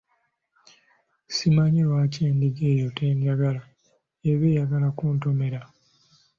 Simanyi lwaki endiga eyo tenjagala eba eyagala kuntomera.